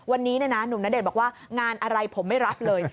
วันนี้หนุ่มณเดชน์บอกว่างานอะไรผมไม่รับเลย